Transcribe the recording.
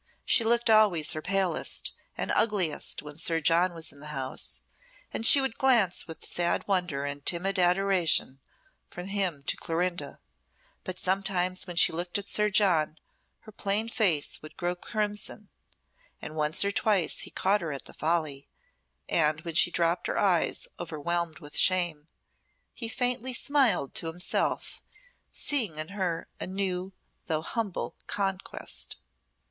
She looked always her palest and ugliest when Sir John was in the house, and she would glance with sad wonder and timid adoration from him to Clorinda; but sometimes when she looked at Sir John her plain face would grow crimson, and once or twice he caught her at the folly, and when she dropped her eyes overwhelmed with shame, he faintly smiled to himself, seeing in her a new though humble conquest.